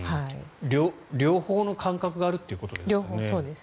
両方の感覚があるということですね。